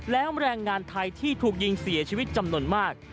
แล้วแรงงานไทยที่ถูกยิงเสียชีวิตจำนวนมาก